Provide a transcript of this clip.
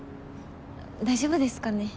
大丈夫ですかね？